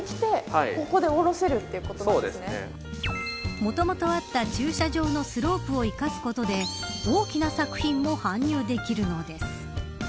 もともとあった駐車場のスロープを生かすことで大きな作品も搬入できるのです。